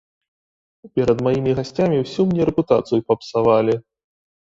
Перад маімі гасцямі ўсю мне рэпутацыю папсавалі.